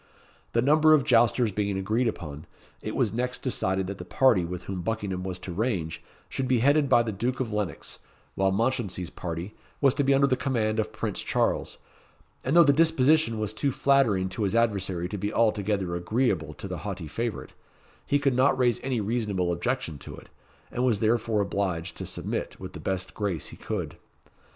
The number of jousters being agreed upon, it was next decided that the party with whom Buckingham was to range should be headed by the Duke of Lennox; while Mounchensey's party was to be under the command of Prince Charles; and though the disposition was too flattering to his adversary to be altogether agreeable to the haughty favourite, he could not raise any reasonable objection to it, and was therefore obliged to submit with the best grace he could.